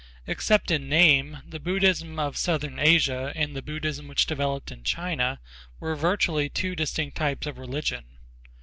Except in name, the Buddhism of Southern Asia and the Buddhism which developed in China were virtually two distinct types of religion.